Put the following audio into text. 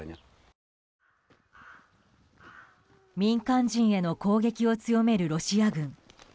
民間人への攻撃を強めるロシア軍。